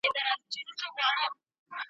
دا خرقه مي د عزت او دولت دام دی !.